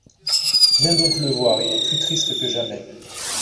Viens donc le voir, il est plus triste que jamais !